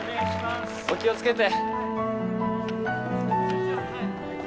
お気を付けて。